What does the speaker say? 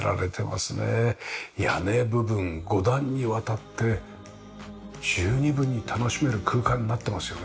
屋根部分５段にわたって十二分に楽しめる空間になってますよね。